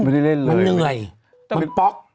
ไม่ได้เล่นเลยมันเหนื่อยแต่มันเป็นป๊อก